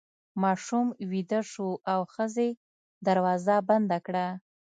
ماشوم ویده شو او ښځې دروازه بنده کړه.